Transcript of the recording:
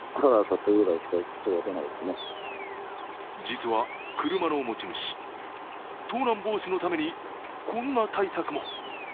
実は、車の持ち主盗難防止のためにこんな対策も。